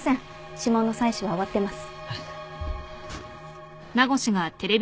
指紋の採取は終わってます。